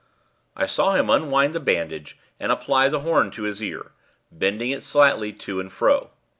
I saw him unwind the bandage and apply the horn to his ear, bending it slightly to and fro.